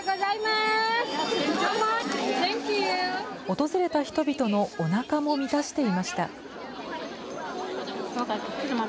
訪れた人々のおなかも満たしていました。